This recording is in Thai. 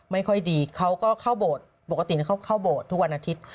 ไม่ค่อยดีเขาก็เข้าโบสถ์ปกติเขาเข้าโบสถ์ทุกวันอาทิตย์